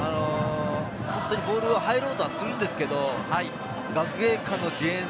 ボールに入ろうとするんですけれど、学芸館のディフェンス。